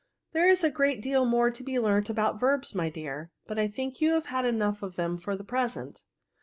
There is a great deal more to be learnt about verbs, my dear ; but I think you have had enough of them for the present."